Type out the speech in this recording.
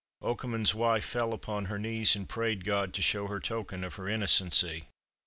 Okeman's wife fell upon her knees, and prayed God to show token of her innocency.